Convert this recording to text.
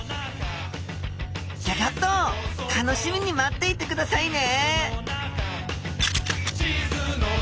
ギョギョッと楽しみに待っていてくださいね！